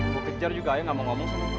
gue kejar juga aja gak mau ngomong sama gue